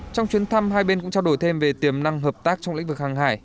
trong chuyến thăm hai bên cũng trao đổi thêm về tiềm năng hợp tác trong lĩnh vực hàng hải